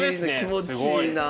気持ちいいな。